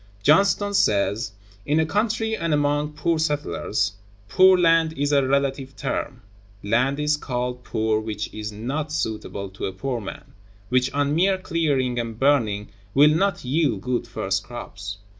Johnston(133) says: "In a country and among poor settlers ... poor land is a relative term. Land is called poor which is not suitable to a poor man, which on mere clearing and burning will not yield good first crops.